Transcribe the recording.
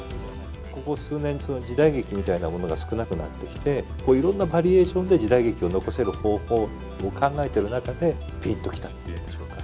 ここ数年、時代劇みたいなものが少なくなってきて、いろんなバリエーションで時代劇を残せる方法を考えている中で、ぴんときたって言うんでしょうか。